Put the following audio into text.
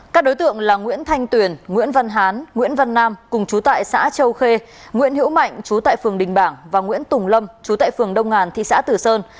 các đối tượng là nguyễn thanh tuyền nguyễn văn hán nguyễn văn nam cùng chú tại xã châu khê nguyễn hữu mạnh chú tại phường đình bảng và nguyễn tùng lâm chú tại phường đông ngàn thị xã tử sơn